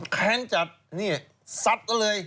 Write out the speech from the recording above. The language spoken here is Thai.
แค้นจับสักกันเลย